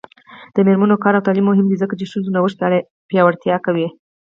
د میرمنو کار او تعلیم مهم دی ځکه چې ښځو نوښت پیاوړتیا کوي.